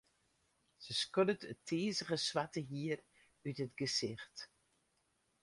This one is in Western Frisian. Se skoddet it tizige swarte hier út it gesicht.